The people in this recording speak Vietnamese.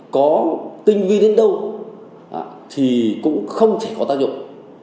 có tinh vi đến đâu thì cũng không chỉ có tác dụng